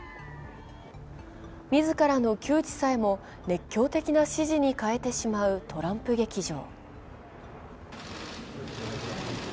自らの窮地さえも熱狂的な支持に変えてしまうトランプ劇場。